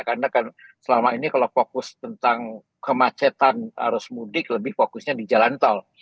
karena kan selama ini kalau fokus tentang kemacetan arus mudik lebih fokusnya di jalan tol